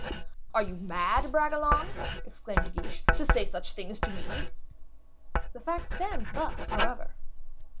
"Are you mad, Bragelonne," exclaimed De Guiche, "to say such a thing to me?" "The fact stands thus, however."